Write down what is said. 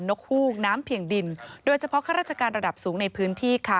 กฮูกน้ำเพียงดินโดยเฉพาะข้าราชการระดับสูงในพื้นที่ค่ะ